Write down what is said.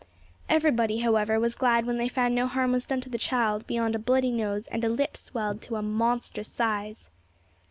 Everybody, however, was glad when they found no harm was done to the child, beyond a bloody nose and a lip swelled to a monstrous size.